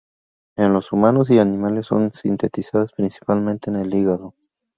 En los humanos y animales, son sintetizadas principalmente en el hígado.